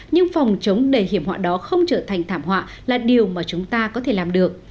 nhưng phòng chống đầy hiểm họa đó không trở thành thảm họa là điều mà chúng ta có thể làm được